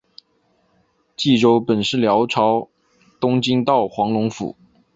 济州本是辽朝东京道黄龙府。